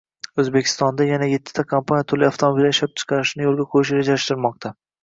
Oʻzbekistonda yana ettita kompaniya turli avtomobillar ishlab chiqarishni yoʻlga qoʻyishi rejalashtirilmoqda.